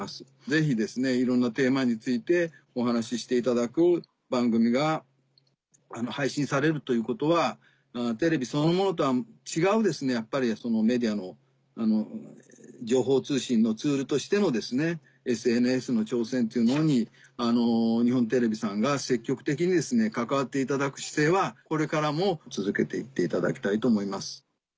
ぜひいろんなテーマについてお話ししていただく番組が配信されるということはテレビそのものとは違うやっぱりメディアの情報通信のツールとしてのＳＮＳの挑戦というものに日本テレビさんが積極的に関わっていただく姿勢はこれからも続けて行っていただきたいと思います。